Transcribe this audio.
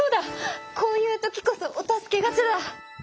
こういう時こそお助けガチャだ！